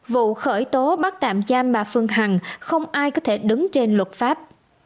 vụ khởi tố bắt tạm giam bà phương hằng không ai có thể đứng trên luật pháp